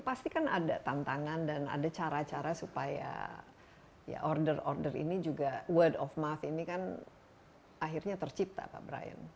pasti kan ada tantangan dan ada cara cara supaya ya order order ini juga word of mouth ini kan akhirnya tercipta pak brian